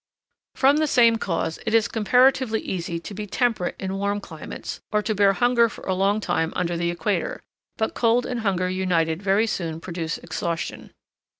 From the same cause it is comparatively easy to be temperate in warm climates, or to bear hunger for a long time under the equator; but cold and hunger united very soon produce exhaustion.